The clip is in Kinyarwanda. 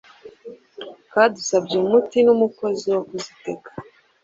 kadusabye umuti n'umukozi wo kuzazitega